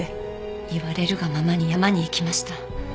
言われるがままに山に行きました。